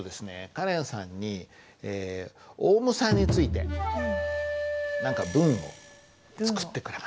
カレンさんにオウムさんについて何か文を作ってくれますか。